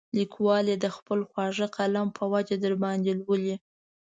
لیکوال یې د خپل خواږه قلم په وجه درباندې لولي.